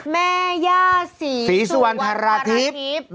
แม่ย่าศรีสุวรรณธรทิพย์